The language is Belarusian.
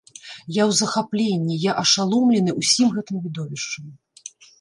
Я ў захапленні, я ашаломлены ўсім гэтым відовішчам.